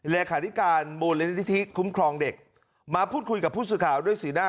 เลขาธิการมูลนิธิคุ้มครองเด็กมาพูดคุยกับผู้สื่อข่าวด้วยสีหน้า